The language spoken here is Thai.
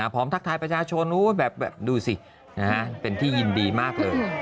ทักทายประชาชนแบบดูสิเป็นที่ยินดีมากเลย